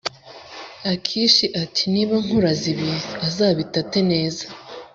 akishi ati “niba nkuraze ibi azabitate neza